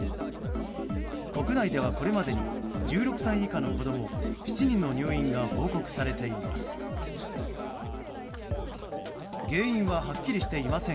国内ではこれまでに１６歳以下の子供７人の入院が報告されています。